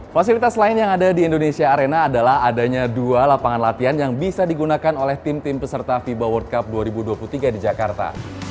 fasilitas lain yang ada di indonesia arena adalah adanya dua lapangan latihan yang bisa digunakan oleh tim tim peserta fiba world cup dua ribu dua puluh tiga di jakarta